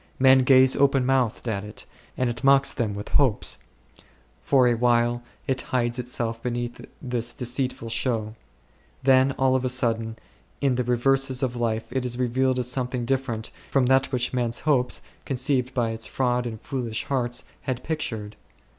Men gaze open mouthed at it, and it mocks them with hopes ; for a while it hides itself beneath this deceitful show ; then all of a sudden in the reverses of life it is revealed as something different from that which men's hopes, conceived by its fraud in foolish hearts, had pictured.